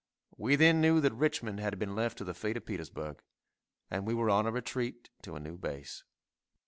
We then knew that Richmond had been left to the fate of Petersburg, and we were on a retreat to a new base.